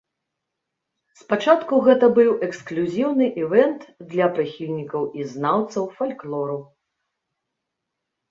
Спачатку гэта быў эксклюзіўны івэнт для прыхільнікаў і знаўцаў фальклору.